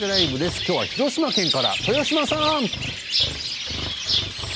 きょうは広島県から豊島さん！